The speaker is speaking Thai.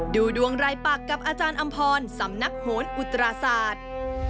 ดูดวงรายปักกับอาจารย์อำพรสำนักโหนอุตราศาสตร์